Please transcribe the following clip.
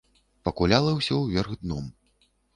Пакуляла ўсё ўверх дном.